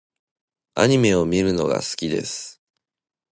アニメを見るのが好きです。